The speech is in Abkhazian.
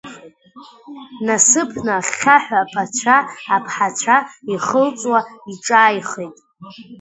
Насыԥны ахьхьаҳәа аԥацәа, аԥҳацәа ихылҵуа иҿааихеит.